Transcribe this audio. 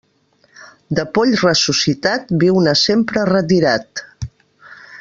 De poll ressuscitat, viu-ne sempre retirat.